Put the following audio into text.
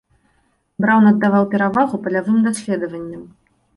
Браўн аддаваў перавагу палявым даследаванням.